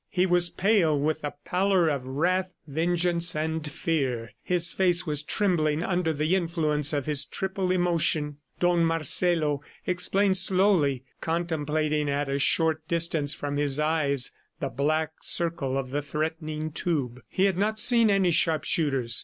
He was pale with the pallor of wrath, vengeance and fear. His face was trembling under the influence of his triple emotion. Don Marcelo explained slowly, contemplating at a short distance from his eyes the black circle of the threatening tube. He had not seen any sharpshooters.